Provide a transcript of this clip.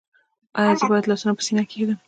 ایا زه باید لاسونه په سینه کیږدم؟